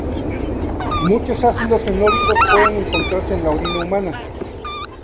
Muchos ácidos fenólicos pueden encontrarse en la orina humana.